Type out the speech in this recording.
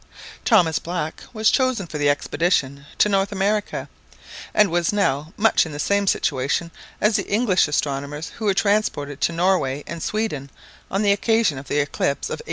Thomas Black was chosen for the expedition to North America, and was now much in the same situation as the English astronomers who were transported to Norway and Sweden on the occasion of the eclipse of 1851.